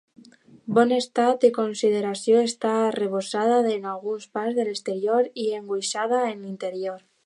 Bon estat de conservació, està arrebossada en algunes parts de l'exterior, i enguixada en l'interior.